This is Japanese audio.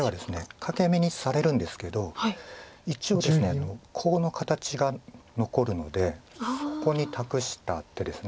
欠け眼にされるんですけど一応ですねコウの形が残るのでそこに託した手です。